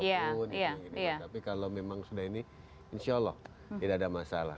tapi kalau memang sudah ini insya allah tidak ada masalah